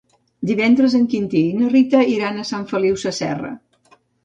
Divendres en Quintí i na Rita iran a Sant Feliu Sasserra.